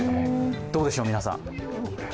どうでしょう、皆さん。